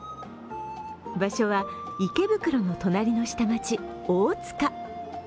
場所は池袋の隣の下町・大塚。